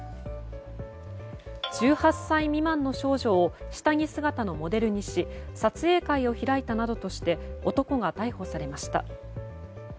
１８歳未満の少女を下着姿のモデルにし撮影会を開いたなどとして男が逮捕されました。